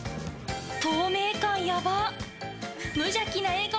透明感やば。